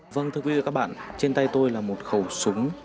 vâng thưa quý vị và các bạn trên tay tôi là một khẩu súng